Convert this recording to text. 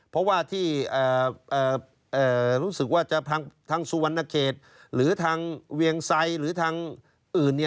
เพราะว่าที่รู้สึกว่าจะทางสุวรรณเขตหรือทางเวียงไซหรือทางอื่น